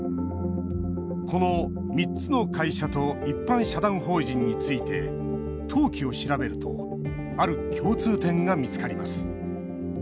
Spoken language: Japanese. この３つの会社と一般社団法人について登記を調べるとある共通点が見つかります。